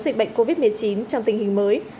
dịch bệnh covid một mươi chín trong tình hình mới